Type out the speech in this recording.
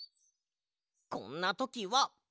こんなときは。